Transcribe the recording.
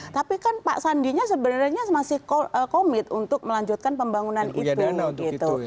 tapi kan pak sandinya sebenarnya masih komit untuk melanjutkan pembangunan itu gitu